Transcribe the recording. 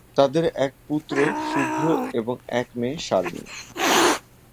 তাদের এক পুত্র, শুভ্র এবং এক মেয়ে, শারমিন।